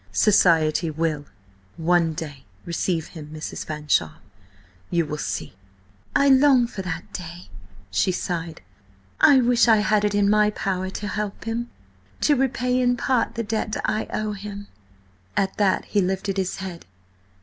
"Society will–one day–receive him, Mrs. Fanshawe. You will see." "I long for that day," she sighed. "I wish I had it in my power to help him–to repay in part the debt I owe him." At that he lifted his head.